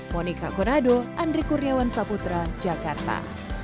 monika konado andri kurniawan saputra jakarta